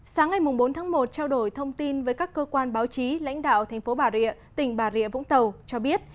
sáng ngày bốn tháng một trao đổi thông tin với các cơ quan báo chí lãnh đạo thành phố bà rịa tỉnh bà rịa vũng tàu cho biết